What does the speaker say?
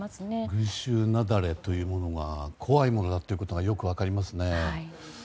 群衆雪崩というものは怖いものだということがよく分かりますね。